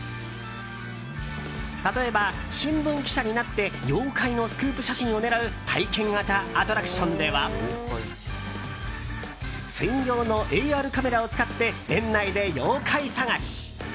例えば、新聞記者になって妖怪のスクープ写真を狙う体験型アトラクションでは専用のＡＲカメラを使って園内で妖怪探し。